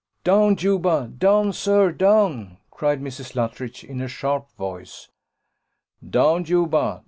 "Down, Juba! down, sir, down!" cried Mrs. Luttridge, in a sharp voice. "Down, Juba!